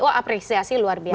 oh apresiasi luar biasa